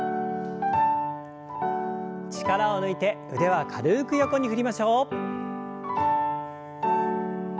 力を抜いて腕は軽く横に振りましょう。